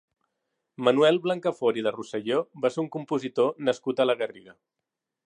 Manuel Blancafort i de Rosselló va ser un compositor nascut a la Garriga.